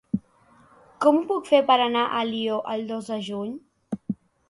Com ho puc fer per anar a Alió el dos de juny?